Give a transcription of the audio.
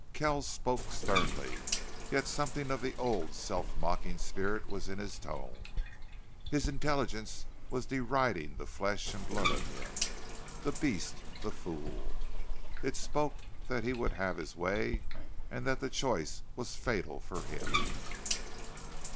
Kells spoke sternly, yet something of the old, self mocking spirit was in his tone. His intelligence was deriding the flesh and blood of him, the beast, the fool. It spoke that he would have his way and that the choice was fatal for him.